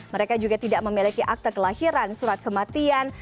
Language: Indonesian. mereka juga tidak memiliki akte kelahiran surat kematian